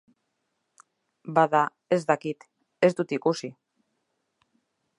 Bada, ez dakit, ez dut ikusi.